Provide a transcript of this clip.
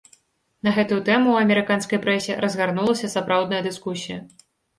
На гэтую тэму ў амерыканскай прэсе разгарнулася сапраўдная дыскусія.